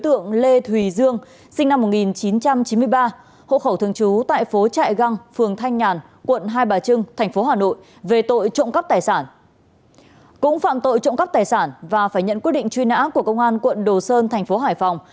thông tin về truy nã của công an quận đồ sơn thành phố hải phòng